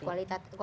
kualitas itu ya